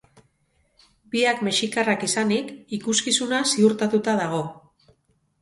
Biak mexikarrak izanik, ikuskizuna ziurtatuta dago.